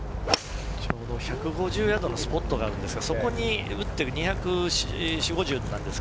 １５０ヤードにスポットがあるんですが、そこに打って２４０２５０です。